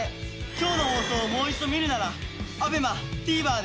今日の放送をもう一度見るならＡＢＥＭＡＴＶｅｒで。